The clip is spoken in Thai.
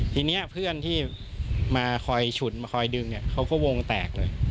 ทีนี้เพื่อนที่มาคอยฉุนมาคอยดึงเนี่ยเขาก็วงแตกเลย